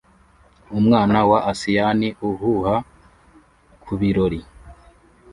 Umwana wa asiyani uhuha kubirori